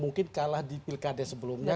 mungkin kalah di pilkada sebelumnya